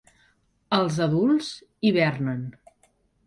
Els adults hivernen.